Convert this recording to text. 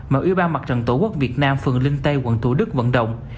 mà ủy ban mặt trận tổ quốc việt nam phường linh tây quận thủ đức vận động